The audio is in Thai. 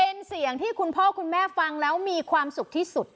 เป็นเสียงที่คุณพ่อคุณแม่ฟังแล้วมีความสุขที่สุด